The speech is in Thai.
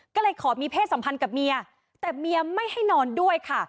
ก็เลยขอมีเพศสัมพันธ์กับเมียแต่เมียไม่ให้นอนด้วยค่ะ